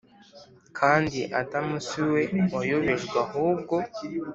Kandi Adamu si we wayobejwe ahubwo